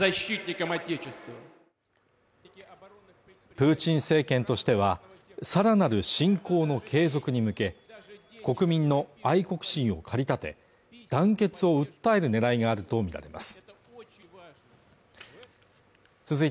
プーチン政権としては、さらなる侵攻の継続に向け、国民の愛国心を駆り立て、団結を訴える狙いがあるとみられます。